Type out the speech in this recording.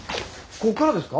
こっからですか？